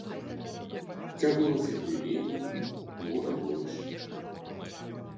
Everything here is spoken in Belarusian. Цягнулася хвіліну, можа, больш.